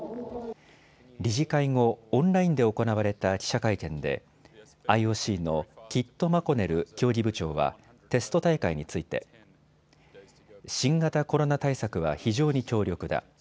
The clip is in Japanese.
理事会後、オンラインで行われた記者会見でＩＯＣのキット・マコネル競技部長はテスト大会について新型コロナ対策は非常に強力だ。